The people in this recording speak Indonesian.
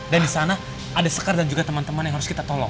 dan disana ada sekar dan juga temen temen yang harus kita tolong